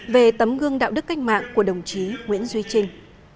về tấm gương đạo đức cách mạng của đồng chí nguyễn duy trinh